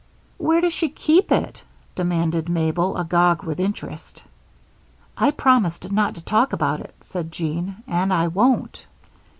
"Where does she keep it?" demanded Mabel, agog with interest. "I promised not to talk about it," said Jean, "and I won't."